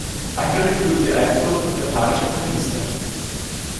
Angeregt wurde die Einführung durch japanische Feministinnen.